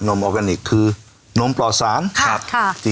นมออร์กานิคคือนมปลอดสาร